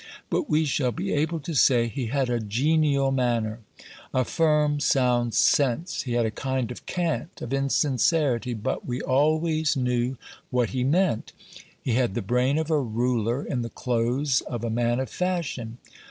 But we shall be able to say "he had a genial manner, a firm, sound sense; he had a kind of cant of insincerity, but we always knew what he meant; he had the brain of a ruler in the clothes of a man of fashion".